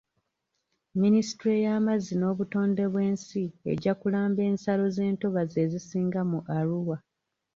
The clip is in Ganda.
Minisitule y'amazzi n'obutonde bw'ensi ejja kulamba ensalo z'entobazi ezisinga mu Arua.